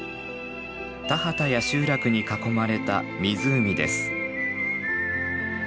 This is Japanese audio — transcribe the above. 田畑や集落に囲まれた湖です。